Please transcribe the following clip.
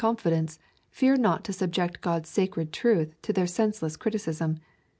8,5 confidence/ fear not to subject God's sacred truth to their senseless criticism.